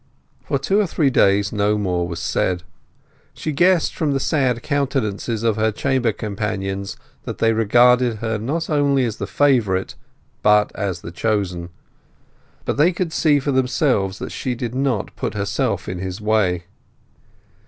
For two or three days no more was said. She guessed from the sad countenances of her chamber companions that they regarded her not only as the favourite, but as the chosen; but they could see for themselves that she did not put herself in his way.